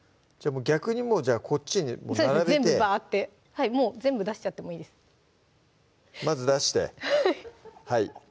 逆にもうじゃあこっちに並べてもう全部出しちゃってもいいですまず出してはい